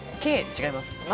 違います。